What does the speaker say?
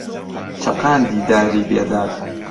چەقاندی داری بێداد